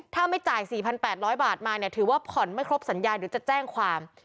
ถ้าไม่จ่าย๔๘๐๐บาทมาเนี่ยถือว่าผ่อนไม่ครบสัญญาเดี๋ยวจะแจ้งความ